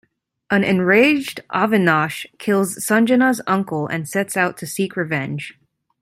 An enraged Avinash kills Sanjana's uncle and sets out to seek revenge.